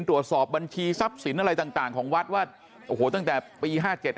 ตรวจสอบบัญชีทรัพย์สินอะไรต่างของวัดว่าโอ้โหตั้งแต่ปี๕๗